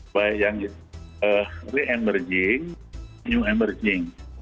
baik yang re emerging new emerging